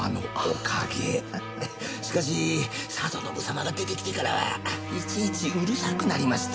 しかし定信様が出てきてからはいちいちうるさくなりました。